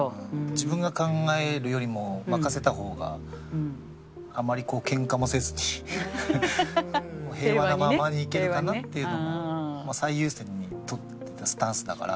自分が考えるよりも任せた方があまりけんかもせずに平和なままにいけるかなっていうのが最優先にスタンスだから。